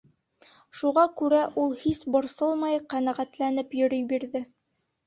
Шуға күрә ул һис борсолмай, ҡәнәғәтләнеп йөрөй бирҙе.